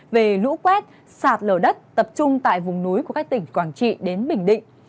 về lũ quét sạt lở đất tập trung tại vùng núi của các tỉnh quảng trị đến bình định